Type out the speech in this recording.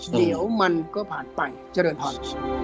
เจอด้วยความรู้สึก